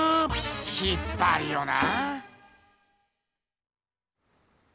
引っぱるよな。